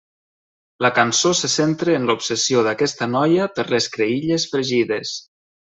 La cançó se centra en l'obsessió d'aquesta noia per les creïlles fregides.